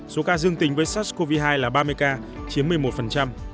số ca dương tính với sars cov hai là ba mươi ca chiếm một mươi một